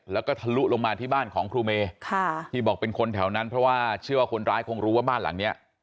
แล้วก็ทะลุลงมาที่บ้านของครูเมค่ะที่บอกเป็นคนแถวนั้นเพราะว่าเชื่อว่าคนร้ายคงรู้ว่าบ้านหลังเนี้ย